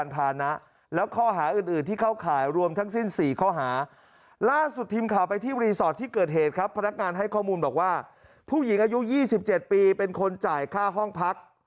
ผู้หญิงอายุ๒๗ปีเป็นคนจ่ายค่าห้องพัก